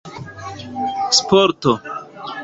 sporto